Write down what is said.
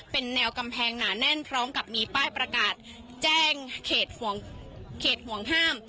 เป็นแนวกำแพงหนาแน่นพร้อมกับมีป้ายประกาศแจ้งเขตห่วงห้าม